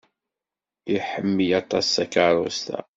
Iḥemmel aṭas takeṛṛust-a.